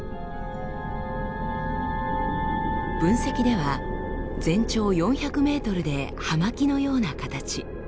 分析では全長４００ｍで葉巻のような形。